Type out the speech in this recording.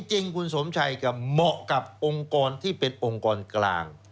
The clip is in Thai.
จริงคุณสมชัยกับเหมาะกับองค์กรที่เป็นองค์กรกลาง